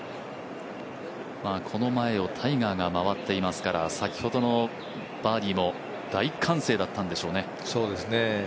この前をタイガーが回っていますから先ほどのバーディーも大歓声だったんでしょうね。